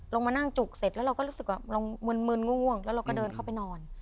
ลงมานั่งจุกเสร็จแล้วเราก็รู้สึกว่าเรามืนง่วงแล้วเราก็เดินเข้าไปนอน